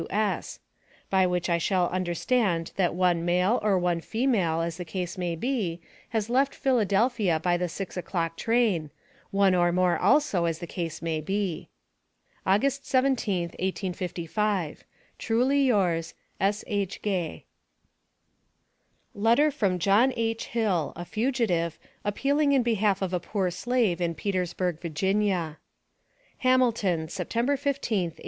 W.S." By which I shall understand that one Male, or one Female, as the case may be, has left Phila. by the 6 o'clock train one or more, also, as the case may be. Aug. 17th, 1855. Truly Yours, S.H. GAY. LETTER FROM JOHN H. HILL, A FUGITIVE, APPEALING IN BEHALF OF A POOR SLAVE IN PETERSBURG, VA. HAMILTON, Sept. 15th, 1856.